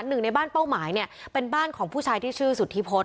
หนึ่งในบ้านเป้าหมายเนี่ยเป็นบ้านของผู้ชายที่ชื่อสุธิพฤษ